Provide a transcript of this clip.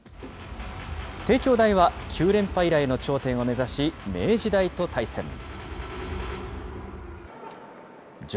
帝京大は９連覇以来の頂点を目指し、明治大と対戦。